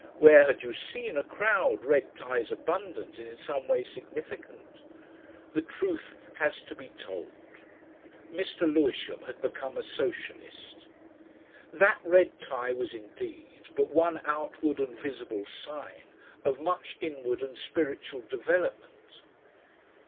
Where had you seen a crowd red ties abundant and in some way significant? The truth has to be told. Mr. Lewisham had become a Socialist! That red tie was indeed but one outward and visible sign of much inward and spiritual development.